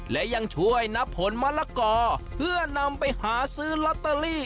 และยังช่วยนับผลมะละกอเพื่อนำไปหาซื้อลอตเตอรี่